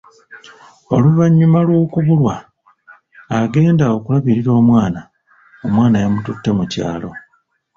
Oluvannyuma lw’okubulwa, agenda okulabirira omwana, omwana yamututte mu kyalo.